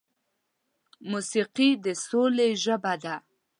موسیقي د سولې ژبه ده.